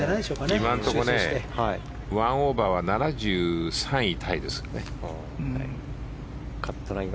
今のところ、１オーバーは７３位タイですね。